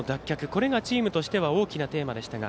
これがチームとしては大きなテーマでしたが